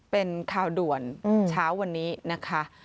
เป็นข่าวด่วนเช้าวันนี้นะคะ